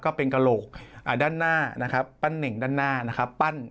กระโหลกด้านหน้านะครับปั้นเน่งด้านหน้านะครับ